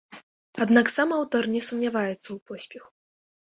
Аднак сам аўтар не сумняваецца ў поспеху.